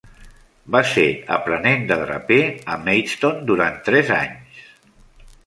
Va ser aprenent de draper a Maidstone durant tres anys.